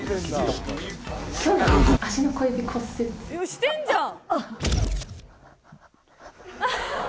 してんじゃん！